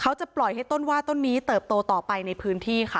จะปล่อยให้ต้นว่าต้นนี้เติบโตต่อไปในพื้นที่ค่ะ